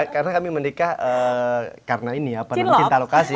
karena kami menikah karena ini ya penampilkan lokasi